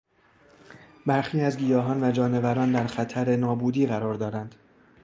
برخی از گیاهان و جانوران در خطر نابودی قرار دارند.